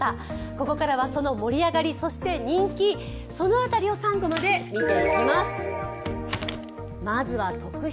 ここからは、その盛り上がり、そして人気を「３コマ」で見ていきます。